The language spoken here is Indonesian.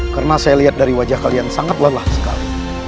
karena saya lihat dari wajah kalian sangat lelah sekali